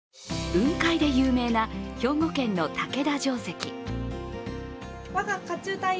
雲海で有名な兵庫県の竹田城跡。